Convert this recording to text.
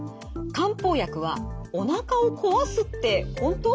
「漢方薬はおなかを壊すってほんと？」。